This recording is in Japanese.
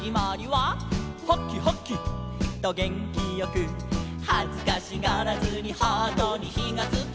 「ハキハキ！とげんきよく」「はずかしがらずにハートにひがつきゃ」